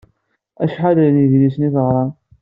Acḥal n yedlisen i teɣṛam?